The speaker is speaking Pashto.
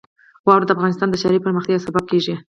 واوره د افغانستان د ښاري پراختیا یو سبب کېږي.